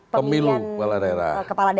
pemilihan kepala daerah